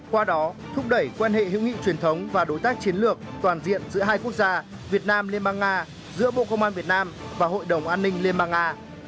qua đó thúc đẩy quan hệ hữu nghị truyền thống và đối tác chiến lược toàn diện giữa hai quốc gia việt nam liên bang nga giữa bộ công an việt nam và hội đồng an ninh liên bang nga